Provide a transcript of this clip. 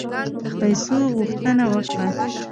پیسو غوښتنه وکړه.